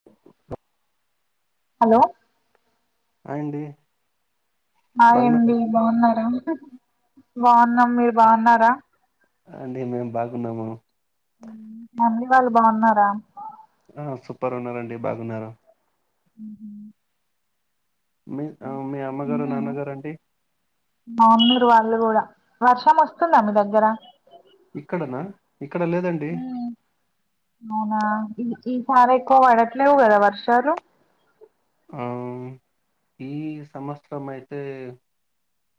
[inaudible] Hello hi అండి hi అండి బాగున్నారండి బాగున్నారా ఆంటీ మేము బాగున్నాము హు మమ్మీ వాళ్ళు బాగున్నారా ఆ సూపర్ ఉన్నారండి బాగున్నారు ఉమ్ హు మీ మీ అమ్మగారు నాన్నగారు అండి మామున్నురు వాళ్ళు కూడా వర్షం వస్తుందా మీ దగ్గర ఇక్కడనా ఇక్కడ లేదండి ఈ ఈ సారి ఎక్కువ పడట్లేవు కదా వర్షాలు ఆ ఈ సంవత్సరం అయితే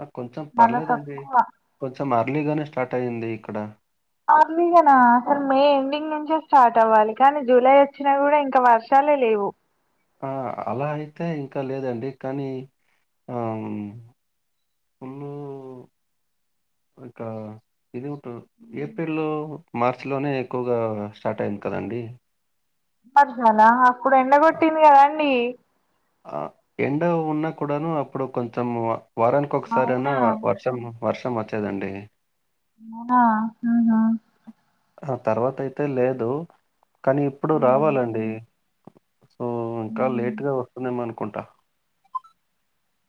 ఆ కొంచెం చాలా పర్లేదండి తక్కువ కొంచెం అర్లీగానే స్టార్ట్ అయ్యింది ఇక్కడ అర్లీగానా అసలు మే ఎండింగ్ నుంచే స్టార్ట్ అవ్వాలి, కానీ జూలై వచ్చినా కూడా ఇంకా వర్షాలే లేవు. ఆ అలా అయితే ఇంకా లేదండి కానీ [inaudible] ఆకా ఏప్రిల్ లో మార్చిలోనే ఎక్కువగా స్టార్ట్ అయ్యింది కదండి అట్నానా అక్కడ ఎండగొట్టింది కదాండి ఆ ఎండ ఉన్నా కూడాను అప్పుడు కొంచెం వారానికి ఒకసారి అయిన అవునా వర్షం టం వర్షం వచ్చేదండి నేన్నా అహ ఆ తర్వాత అయితే లేదు కానీ ఇప్పుడు ఉమ్ రావాలండి సో ఇంకా ఉమ్ లేట్గా వస్తుందేమోననుకుంటా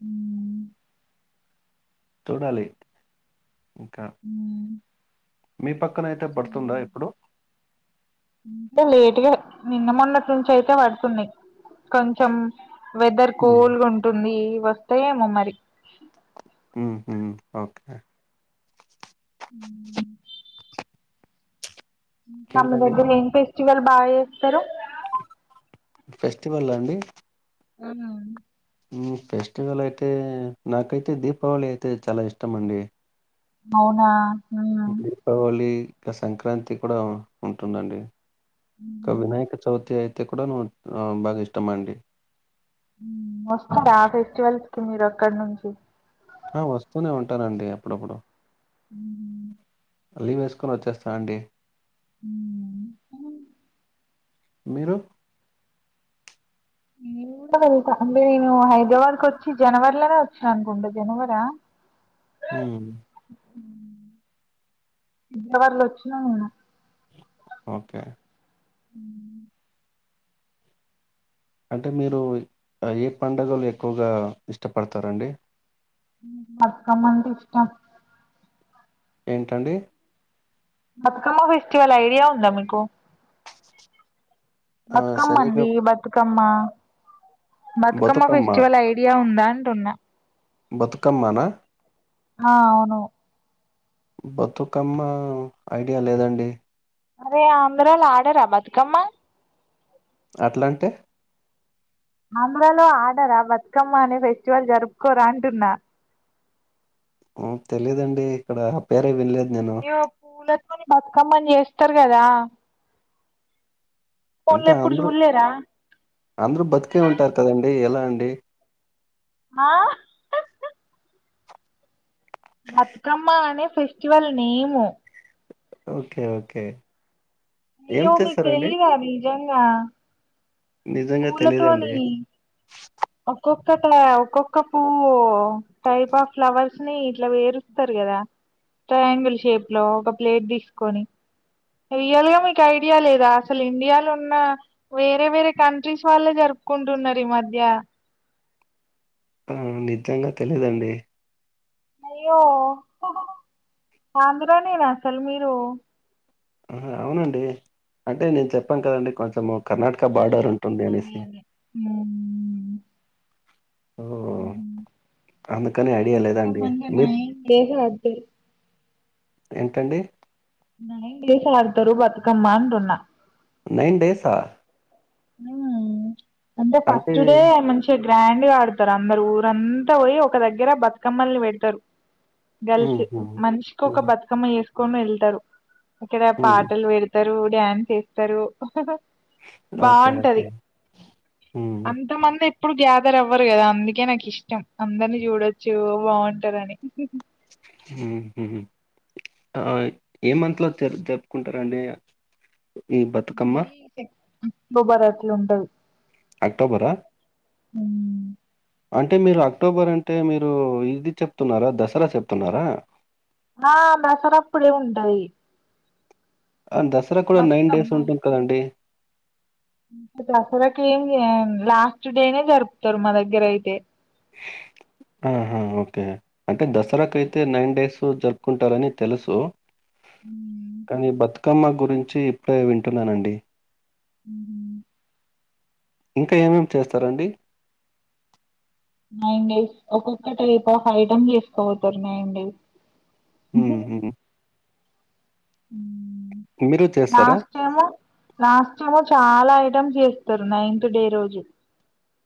ఉమ్ చూడాలి ఇంకా మీ పక్కన అయితే పడుతుందా ఇప్పుడు అంటే లేటుగా నిన్న మొన్నటి నుంచి అయితే పడుతున్నాయి కొంచెం వెదర్ హ్మ్. కూల్ గా ఉంటుంది వస్తేయేమో మరి హ్మ్ హు ఓకే హ్మ్ ఇంకా మన ఇంకేంటండి దగ్గర ఇంక ఏం ఫెస్టివల్ బాగా చేస్తారు ఫెస్టివల్ అండి హ్మ్ హు హ్మ్ ఫెస్టివల్ అయితే నాకైతే దీపావళి అయితే చాలా ఇష్టం అండి అవునా హూ దీపావళి ఇంకా సంక్రాంతి కూడా ఉంటుందండి ఒక వినాయక చవితి అయితే కూడావు బాగా ఇష్టం అండి హ్మ్ వస్తారా ఆ ఫెస్టివల్స్ కి మీరు అక్కడి నుంచి ఆ వస్తూనే ఉంటానండి అప్పుడప్పుడు ఉ లీవ్ వేసుకొని వచ్చేస్తా అండి మ్మ్ మీరు ఇంట్లోనే ఉండి నేను హైదరాబాద్ కు వచ్చి జనవరిలోనే వచ్చా అనుకుంట జనవరా [inaudible] ఉమ్ జనవరిలోచిన నేను ఓకే అ అంటే మీరు ఏ పడుగలు ఎక్కువగా ఇష్టపడతారండి అకమ్మంటే ఇష్టం ఏంటండీ బతుకమ్మ ఫెస్టివల్ ఐడియా ఉందా మీకు ఆ! బతుకమ్మ సరిగ్గా అండి బతుకమ్మా బతుకమ్మ ఫెస్టివల్ ఐడియా ఉందా అంటున్నా బతుకమ్మనా ఆ అవును బతుకమ్మ ఐడియా లేదండి అరే అందరూ అలా ఆడరా బతుకమ్మ అట్లా అంటే ఆంధ్రాలో ఆడరా బతుకమ్మ అనే ఫెస్టివల్ జరుపుకోరా అంటున్నా తెలిదండి ఇక్కడ ఆ పేరే వినలేదు నేను. యో పూలలుకొని బతుకమ్మని చేస్తారు కదా ఫోన్ లో అంటే ఎప్పుడు అందరు చూడలేరా అందరు బతికే ఉంటారు కదండి ఎలా అండి? ఆ హ్ హ్ బతుకమ్మ అనే ఫెస్టివల్ నేము ఓకే ఓకే ఏం నియో మీకి చేస్తారండి? తెలిదా నిజంగా? నిజంగా పూలతోని తెలీదండి. ఒక్కొక్కక్కట్లా ఒక్కొక్కపువ్వు టైప్ ఆఫ్ ఫ్లవర్స్ ని ఇట్ల పేరుస్తరు కదా ట్రయాంగిల్ షేప్ లో ఒక ప్లేట్ తీసుకొని రియల్ గా మీకు ఐడియా లేదా అసలు ఇండియాలో ఉన్న వేరే వేరే కంట్రీస్ వాళ్ళే జరుపుకుంటున్నారు ఈ మధ్య ఊ నిజంగా తెలీదండి. అయ్యో హ్హ్ ఆంధ్ర నేనా అసలు మీరు? ఆహా అవునండి అంటే నేను చెప్పాను కదండి కొంచెము కర్ణాటక బార్డర్ ఉంటుంది అనేసి ఓ అందుకని ఐడియా లేదండి మీరు? ఎంటండి? నైన్ డేస్ ఆడుతరు బతుకమ్మ అంటున్న నైన్ డేసా? ఊ అంటే ఫస్ట్ డే మంచి గ్రాండ్ గా ఆడతారు అందరు ఊరంతా పోయి ఒక దగ్గర బతుకమ్మల్ని పెడతరు. గలిసి హుహు. మనిషికి ఒక హ్మ్. బతుకమ్మ వేసుకొని వెళ్తారు. ఇక్కడ హ్మ్. పాటలు పెడతరు, డ్యాన్స్ ఏస్తరు హహహ ఓకే. బావుంటది ఓకే. హ్మ్. అంతమంది ఇప్పుడు గ్యాదర్ అవ్వరు గదా అందుకే నాకు ఇష్టం అందరిని చూడొచ్చు బావుంటరని ఊహు ఆ ఏ మంత్ లో జరుపుకుంటారండి ఈ బతుకమ్మ? గుబారాత్లు ఉంటవి అక్టోబరా? ఉ అంటే మీరు అక్టోబర్ అంటే మీరు ఇది చెప్తున్నారా, దసరా చెప్తున్నారా? ఆ దసర అప్పుడే ఉంటది. అ దసరా కూడా నైన్ డేస్ ఉంటుంది కదండి దసరాకు ఏం జెయం లాస్ట్ డేనే జరుపుతారు మా దగ్గర అయితే స్ ఆహ ఓకే అంటే దసరాకు అయితే నైన్ డేస్ జరుపుకుంటారని తెలుసు. కానీ బతుకమ్మ గురించి ఇప్పుడే వింటున్నానండి. ఉమ్ హు ఇంకా ఏమేం చేస్తారండి? నైన్ డేస్ ఒక్కొక్కటి ఒక్కొక్క ఐటమ్ చేసుపొతరు నైన్ డేస్ హ్మ్. హ్మ్. ఉమ్ మీరు చేస్తారా? ఏము లాస్టేమో చాలా ఐటమ్స్ చేస్తరు నైన్త్ డే రోజు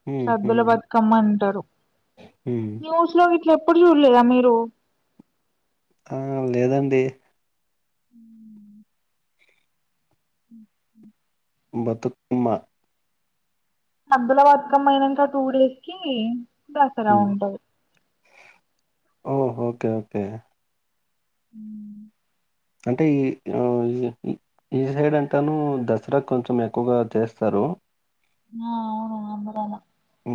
హ్మ్. సద్దుల హ్మ్. బతుకమ్మ అంటారు. హ్మ్. న్యూస్ లో గిట్లా ఎప్పుడు చూడలేదా మీరు? ఆ లేదండి ఉమ్ హు హు బతుకమ్మ సద్దుల బతుకమ్మ అయినంక టూ డేస్ కి దసరా ఉంటది ఓ ఓకే ఓకే అ అంటే ఈ ఆ ఈ సైడ్ అంటాను దసరా కొంచెం ఎక్కువగా చేస్తారు ఆ అవును ఆంధ్రాల ఊ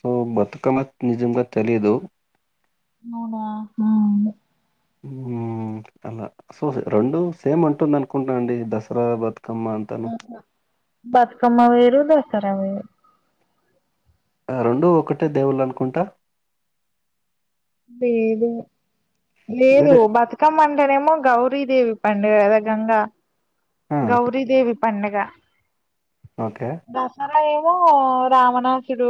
సో బతుకమ్మ నిజంగా తెలీదు అవునా ఉమ్ ఊ అలా సో రెండు సేమ్ అంటుంది అనుకుంటున్నా అండి దసరా బతుకమ్మ అంత బతుకమ్మా వేరు దసరా వేరు ఆ రెండు ఒకటే దేవుళ్ళు అనుకుంటా లేదు లేదు వేరే బతు కమ్మ అంటే నేమో గౌరీదేవి పండుగ గదా గంగా ఆ! గౌరీదేవి పండగ ఓకే దసరా ఏమో రావనాసుడు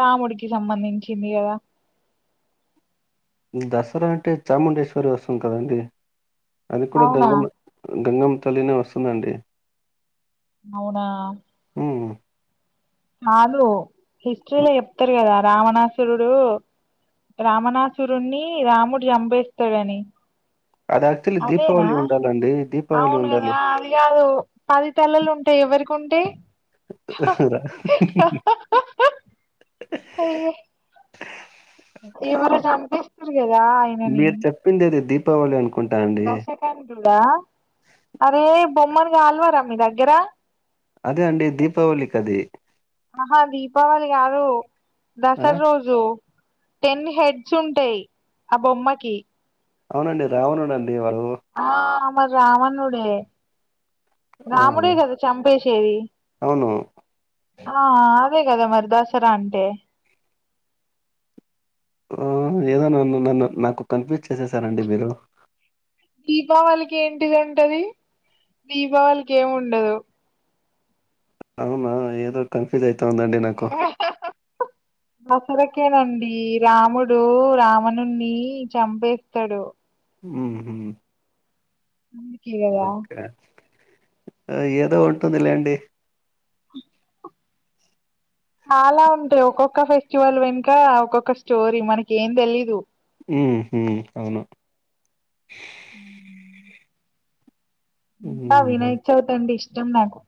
రాముడికి సంబంధించింది కదా దసరా అంటే చాముండేశ్వరి వస్తుంది కదండి అది కూడా అవునా గంగమ్మ గంగమ్మ తల్లినే వస్తుందండి అవునా ఊ నాదు హిస్టరీలో చెప్తారు కదా రావణాస్ రుడు రామణాసురున్ని రాముడు చంపేస్తాడని అది యాక్చువల్లీ అవేనా దీపావళి ఉండాలండి. దీపావళి అవును ఉండాలి. గదా అదిగాదు పదితలలు ఉంటాయి ఎవరికి ఉంటాయి రా ఎవరొ చంపేస్తరు కదా ఆయనని చేపిండేది దీపావళి అనుకుంటా అండి దా అరే బొమ్మనుగా గాల్వారా మీ దగ్గర అదే అండి దీపావళికి అది ఆహా దీపావళి గాదు ఆ! దసర్ రోజు టెన్ హెడ్స్ ఉంటాయి ఆ బొమ్మకి అవునండి రావునుడండి వారు ఆ మరి రావణుడే ఆ! రాముడే గద చెంపేసేది అవును. ఆ అదే కదా మరి దసరా అంటే ఊ ఏదో నన్ను నన్ను నాకు కన్ఫ్యూజ్ చేసేసారండి మీరు దీపావళికి ఏంటిది ఉంటది దీపావళికి ఏమి ఉండదు అవునా ఏదో కన్ఫ్యూజ్ అయితావుంది అండి నాకు అసురకేనండి రాముడు రావనున్ని చంపేస్తడు ఊ హు నంకి అది ఏదో ఉంటుంది లేండి ఆలా ఉంటయి. ఒక్కొక్క ఫెస్టివల్ వెనుక ఒక్కొక్క స్టోరీ మనకి ఏంతెలీదు. ఉ హు అవును ఊ ఇంకా హ్మ్. వినాయ చవితి అంటే ఇష్టం నాకు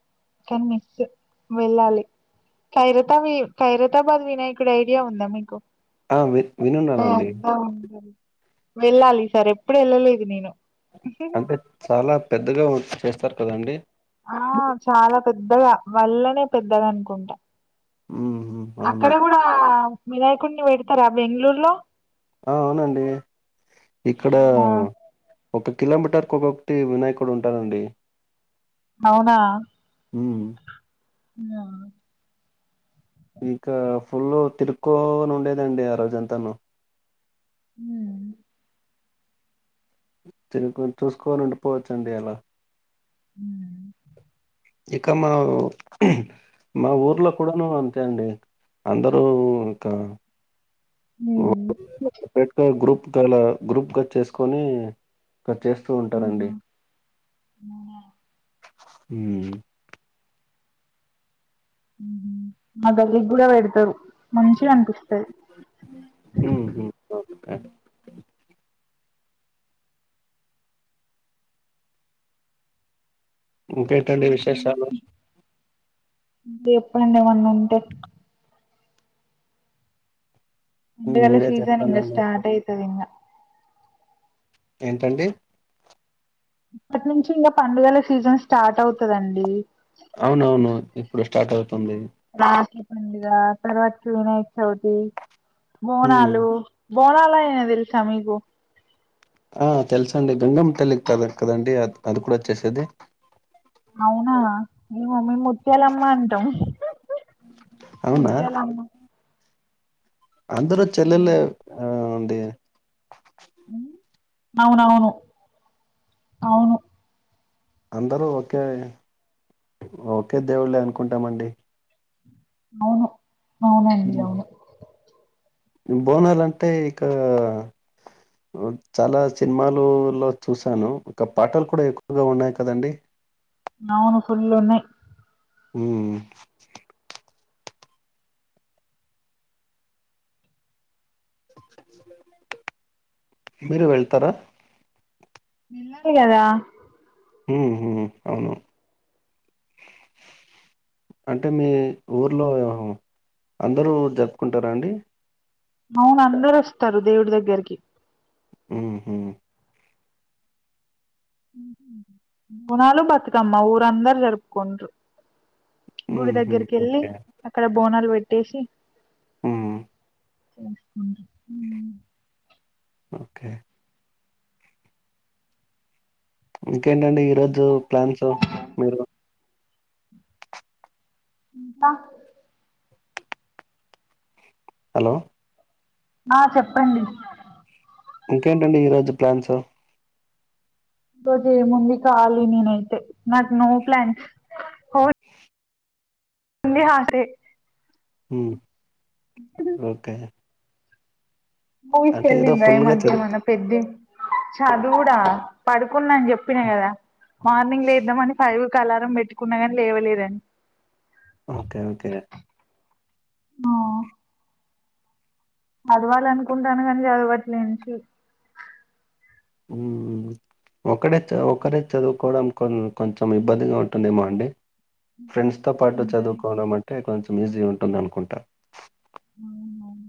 కానీ మిస్ వెళ్ళాలి. ఖైరతవీ ఖైరతాబాద్ వినాయకుడు ఐడియా ఉందా మీకు ఆ! వి వినున్నానండి. వెళ్ళాలి ఈ సారీ ఎప్పుడు వెళ్ళలేదు నేను అంటే చాలా పెద్దగా వర్క్ చేస్తారు కదండి ఆ చాలా పెద్దగా వల్లనే పెద్దగా అనుకుంటా హుహు. అవును. అక్కడ గుడా వినాయకున్ని పెడతరా బెంగళూరులో ఆ అవునండి ఇక్కడా ఆ ఒక కిలోమీటర్కి ఒకక్కొక్కటి వినాయకుడు ఉంటారండి అవునా ఉహు ఉన్నవ ఇంకా ఫుల్ తిరుక్కోని ఉండేదండి ఆ రోజంతాను ఉ తినుకు చూసుకొని ఉండిపోవచ్చండి అలా ఉ ము ఇక మా మా ఊర్లో కూడాను అంతే అండి అందరూ ఉంక ఒక్క వేళ సపరేట్గా గ్రూప్గాలా గ్రూప్గా చేసుకొని చేస్తూ ఆహా ఉంటారండి ఉ మా గల్లి కి గుడా పెడతారు మంచిగా అనిపిస్తది కా ఇంకేటండి విశేషాలు ఇంకా చెప్పండి ఏమన్న ఉంటే హ్మ్. పండుగల మీరే సీజన్ ఇంకా చెప్పాలండి స్టార్ట్ అవుతుది ఇంకా ఏంటండి అట్నుంచి ఇంకా పండుగల సీజన్ స్టార్ట్ అవుతుదండి అవునవును ఇప్పుడు స్టార్ట్ అవుతుంది రాఖి పండుగ తర్వాతికి వినాయక చవితి ఉమ్ బోనాలు బోనలయినాయ్ తెలుసా మీకు ఆ తెలుసండి గంగమ్ తల్లి కి కద కదండి అప్పుడూ చేసేది అవునా మీ మమ్మీ ముతు ముత్యాలమ్మ అంటాం అవునా ముత్యాలమ్మ అందరు చెల్లెలే ఆ అండి అవును అవును అవును అందరూ ఓకే ఓకే దేవుళ్ళే అనుకుంటామండి అవును అవునండి అవును బోనాల అంటే ఇక చాలా చినిమాలులో చూశాను ఒక పాటలు కూడా ఎక్కువగా ఉన్నాయి కదండడి అవును ఫుల్ ఉన్నాయి ఉమ్ మీరు వెళ్తారా వెళ్ళాలి కదా ఉ ఉ అవును అంటే మీ ఊర్లో అందరూ జరుపుకుంటారండి అవునందరూ వస్తారు దేవుడి దగ్గరికి ఉహు బోనాలు పాతుకమ్మా ఊరాందరు జరుపుకుంట్రూ గుడి హుహు. దగ్గర్కి వెళ్ళి ఓకే. అక్కడ బోనాలు పెట్టేసి హ్మ్. ఆ ఆ ఆ ఓకే ఇంకేంటండి ఈరోజు ప్లాన్స్ మీరు ఇంకా హలో ఆ చెప్పండి ఇంకేంటండి ఈ రోజు ప్లాన్స్ రోజే ముందు కాలి నేనైతే నాకు నో ప్లాన్ అందిఆసే ఉ ఓకే మూవీస్ అంటే ఏదో వెళ్లిందా ఈ ఫుల్‌గా మధ్య చదివి మన పెద్ది చద్వుడా పడుకున్నా అని చెప్పినా కదా మార్నింగ్ లేద్దామని ఫైవ్ కి అలారం పెట్టుకున్నా కాని లేవలేదండి ఓకే ఓకే చదవాల అనుకుంటాను కానీ చదవట్లేన్చి ఆ ఒకడే చ ఒకరే చదువుకోవడాడం కోన్ కొంచెం ఇబ్బందిగా ఉంటుందేమో అండి ఫ్రెండ్స్తో పాటు చదువుకోడం అంటే కొంచెం ఈజీ ఉంటుంది అనుకుంటా ఔను ఔను